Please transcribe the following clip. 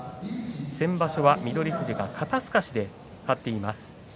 先場所は翠富士が肩すかしで勝っています。